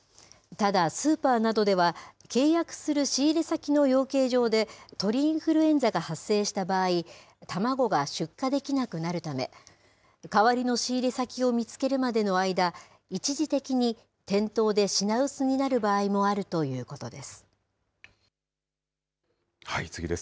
ただ、スーパーなどでは、契約する仕入れ先の養鶏場で、鳥インフルエンザが発生した場合、卵が出荷できなくなるため、代わりの仕入れ先を見つけるまでの間、一時的に店頭で品薄になる場合もあるということです。